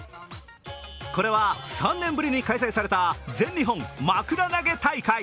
これは３年ぶりに開催された全日本まくら投げ大会。